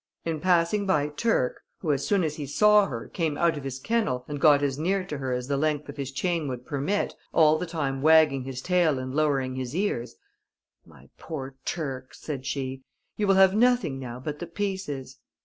In passing by Turc, who as soon as he saw her, came out of his kennel, and got as near to her as the length of his chain would permit, all the time wagging his tail and lowering his ears: "My poor Turc," said she, "you will have nothing now but the pieces."